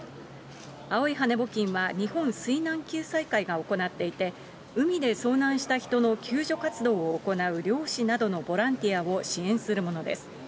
青い羽根募金は日本水難救済会が行っていて、海で遭難した人の救助活動を行う漁師などのボランティアを支援するものです。